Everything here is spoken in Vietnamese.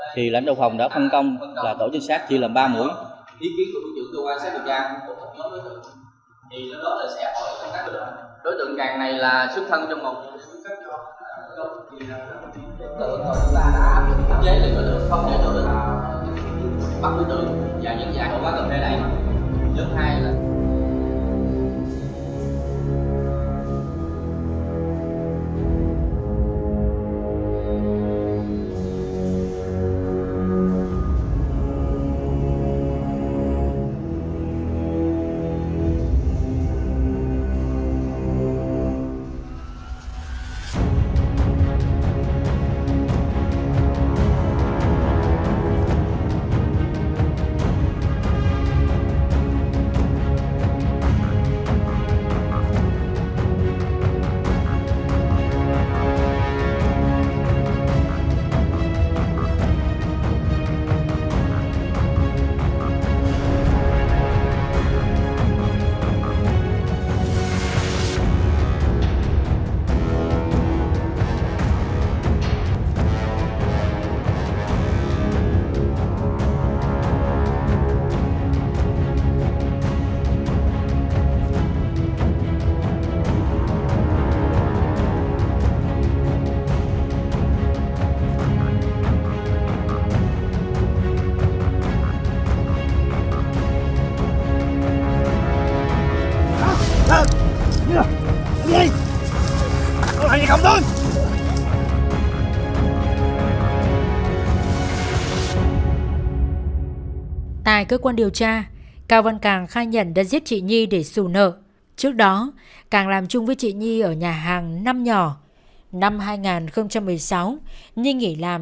thì lãnh đạo phòng đã phân công và tổ chức sát chia làm ba mũi